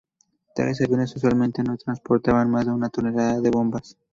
Tales aviones usualmente no transportaban más de una tonelada de bombas.